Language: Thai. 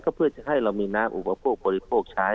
เพื่อจะให้เรามีน้ำอุปโภคบริโภคใช้